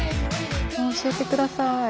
教えてください。